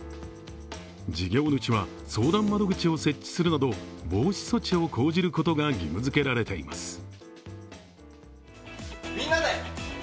事業主は相談窓口を設置するなど防止措置を講じることが義務づけられています。